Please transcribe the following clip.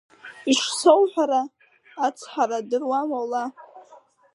Ишсоуҳәара, ацҳара адыруама ула?